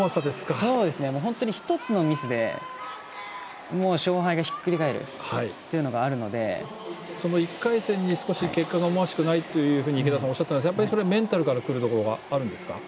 本当に１つのミスで、勝敗がひっくり返るというのがあるのでその１回戦少し結果が思わしくないと池田さんがおっしゃいましたがメンタルからくるものがあるんですか？